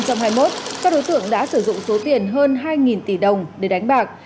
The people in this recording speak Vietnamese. các đối tượng đã sử dụng số tiền hơn hai tỷ đồng để đánh bạc